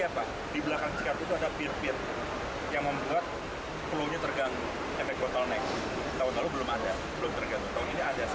beban semakin tinggi kapasitasnya berkurang